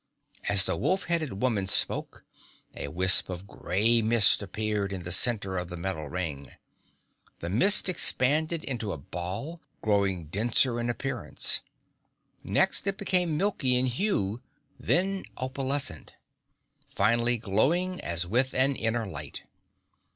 As the wolf headed woman spoke, a wisp of grey mist appeared in the center of the metal ring. The mist expanded into a ball, growing denser in appearance. Next it became milky in hue, then opalescent, finally glowing as with an inner light.